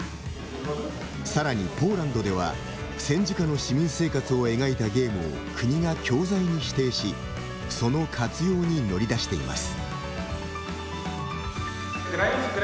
さらに、ポーランドでは戦時下の市民生活を描いたゲームを国が教材に指定しその活用に乗り出しています。